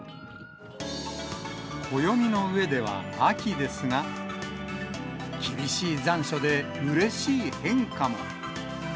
暦の上では秋ですが、厳しい残暑で、うれしい変化も。